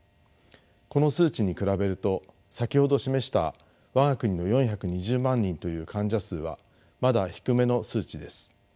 この数値に比べると先ほど示した我が国の４２０万人という患者数はまだ低めの数値です。